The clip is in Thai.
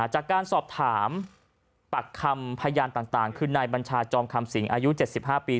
จากการสอบถามปักคำพยานต่างคือนายบัญชาจอมคำสิงอายุ๗๕ปี